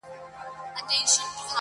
په سودا وو د کسات د اخیستلو!!